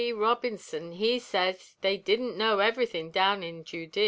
Robinson he Sez they didn't know everythin' down in Judee.